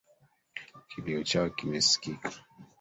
Kilio chao kimesikika.